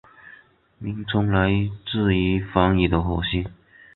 名称来自于梵语的火星。